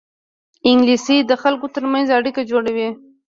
انګلیسي د خلکو ترمنځ اړیکه جوړوي